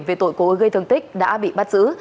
về tội cố gây thương tích đã bị bắt giữ